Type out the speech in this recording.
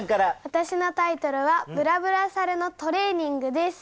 私のタイトルは「ぶらぶらサルのトレーニング」です。